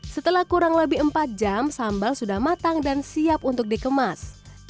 setelah kurang lebih empat jam sambal sudah matang dan siap untuk dikemas